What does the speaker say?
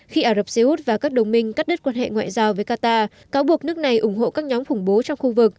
khi ả rập xê út và các đồng minh cắt đứt quan hệ ngoại giao với qatar cáo buộc nước này ủng hộ các nhóm khủng bố trong khu vực